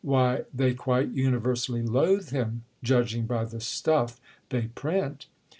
Why, they quite universally loathe him—judging by the stuff they print!"